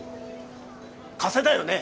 加瀬だよね？